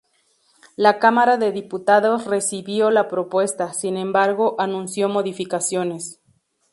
La Cámara de Diputados recibió la propuesta, sin embargo, anunció modificaciones.